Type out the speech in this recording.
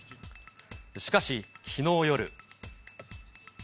しかしきのう夜。